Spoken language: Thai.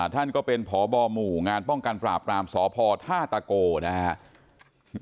ท่านก็เป็นพบหมู่งานป้องกันปราบรามสพท่าตะโกนะครับ